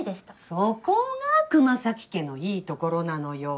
そこが熊咲家のいいところなのよ。